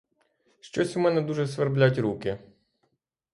Щось у мене дуже сверблять руки!